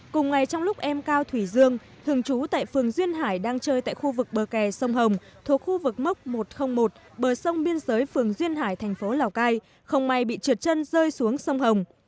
cùng ngày trong lúc em cao thủy dương thường trú tại phường duyên hải đang chơi tại khu vực bờ kè sông hồng thuộc khu vực mốc một trăm linh một bờ sông biên giới phường duyên hải thành phố lào cai không may bị trượt chân rơi xuống sông hồng